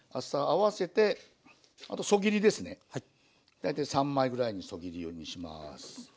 大体３枚ぐらいにそぎるようにします。